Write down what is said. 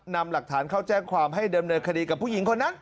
นำหลักฐานเข้าแจ้งความให้เดิมเนินคดีกับผู้หญิงคนนั้น